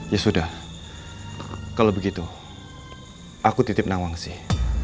ya sudah kalau begitu aku titip nawang sih